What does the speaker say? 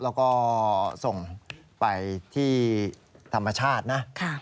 แล้วก็ส่งไปที่ธรรมชาตินะ